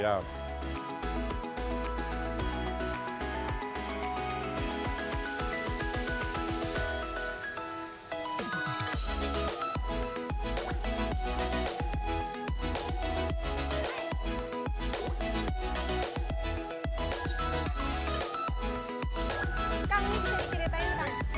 kang ini bisa dikirimin kang